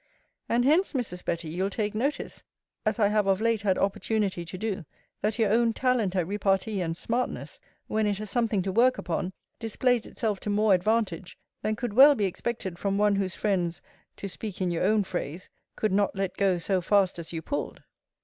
And hence, Mrs. Betty, you'll take notice, as I have of late had opportunity to do, that your own talent at repartee and smartness, when it has something to work upon, displays itself to more advantage, than could well be expected from one whose friends, to speak in your own phrase, could not let go so fast as you pulled.